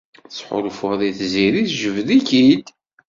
Tettḥulfuḍ i Tiziri tjebbed-ik-id?